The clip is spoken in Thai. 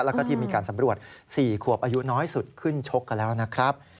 แล้วก็ที่มีการสำรวจ๔ขวบอายุน้อยสุดขึ้นชกกันแล้วนะครับ